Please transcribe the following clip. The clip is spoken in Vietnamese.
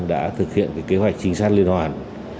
đã thực hiện kế hoạch chính xác liên hoàn